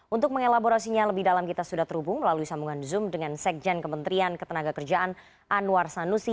untuk mengelaborasinya lebih dalam kita sudah terhubung melalui sambungan zoom dengan sekjen kementerian ketenaga kerjaan anwar sanusi